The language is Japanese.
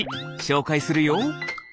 しょうかいするよ。